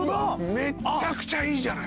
めちゃくちゃいいじゃない。